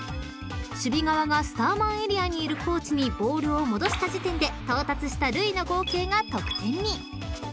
［守備側がスターマンエリアにいるコーチにボールを戻した時点で到達した塁の合計が得点に］